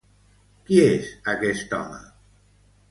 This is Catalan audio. Qui és aquest home?